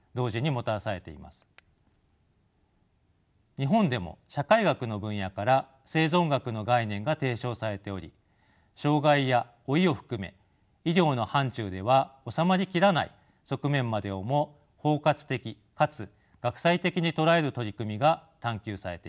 日本でも社会学の分野から生存学の概念が提唱されており障がいや老いを含め医療の範ちゅうでは収まり切らない側面までをも包括的かつ学際的に捉える取り組みが探求されています。